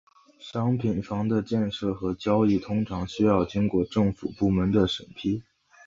商品房的建设和交易通常需要经过政府部门的审批。